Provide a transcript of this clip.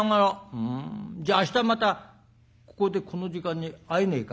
「うんじゃあ明日またここでこの時間に会えねえか？」。